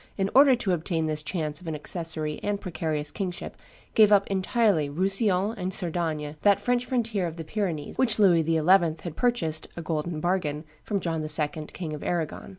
in order to obtain this chance of an accessary and precarious kingship, gave up entirely Roussillon and Cerdagne, that French frontier of the Pyrenees which Louis XI. had purchased, a golden bargain, from John II., King of Arragon.